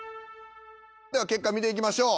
では結果見ていきましょう。